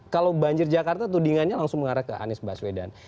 kalau banjir jakarta tudingannya langsung mengarah ke anies baswedan